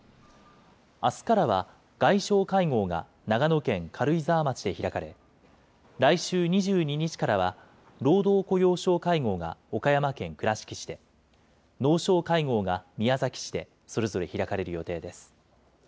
あすからは外相会合が長野県軽井沢町で開かれ、来週２２日からは、労働雇用相会合が岡山県倉敷市で、農相会合が宮崎市で、それぞれ開かれる予定です。